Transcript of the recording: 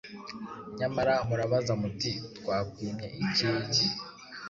Nyamara murabaza muti ‘Twakwimye iki?’